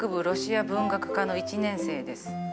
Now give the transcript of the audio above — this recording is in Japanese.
ロシア文学科の１年生です。